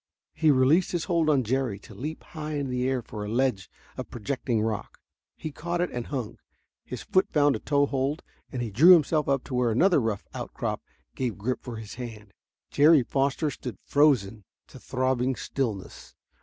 He released his hold on Jerry to leap high in the air for a ledge of projecting rock. He caught it and hung. His foot found a toehold and he drew himself up to where another rough outcrop gave grip for his hand. Jerry Foster stood frozen to throbbing stillness.